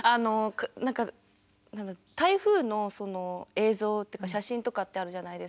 何か台風の映像っていうか写真とかってあるじゃないですか。